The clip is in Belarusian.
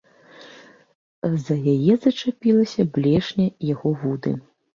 За яе зачапілася блешня яго вуды.